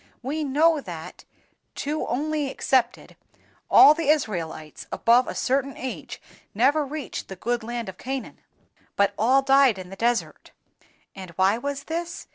We know that (two only excepted) all the Israelites above a certain age never reached the good land of Canaan, but all died in the desert. And why was this?